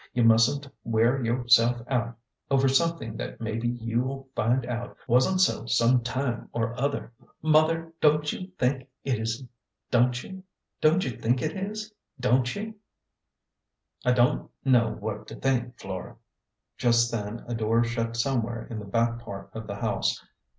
You mustn't wear your self all out over something that maybe you'll find out wasn't so some time or other." " Mother, don't you think it is don't you ?"" I don't know what to think, Flora." Just then a door shut somewhere in the back part of the house.